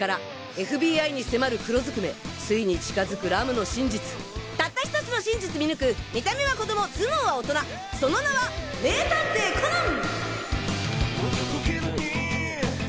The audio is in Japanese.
ＦＢＩに迫る黒ずくめついに近づくＲＵＭの真実たった１つの真実見抜く見た目は子供頭脳は大人その名は名探偵コナン！